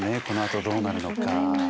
このあとどうなるのか。